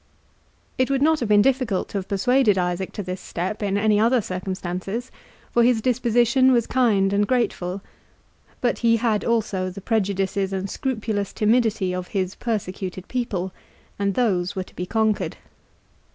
It would not have been difficult to have persuaded Isaac to this step in any other circumstances, for his disposition was kind and grateful. But he had also the prejudices and scrupulous timidity of his persecuted people, and those were to be conquered.